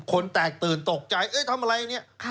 ค้นแตกตื่นตกใจเอ๊ยทำอะไรเนี่ย